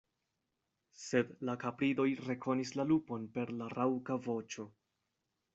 Sed la kapridoj rekonis la lupon per la raŭka voĉo.